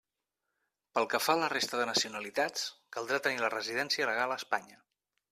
Pel que fa a la resta de nacionalitats caldrà tenir la residència legal a Espanya.